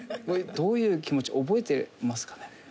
どういう気持ち覚えてますかね？